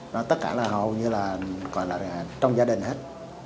nó tất cả là hầu như là gọi là trong gia đình hết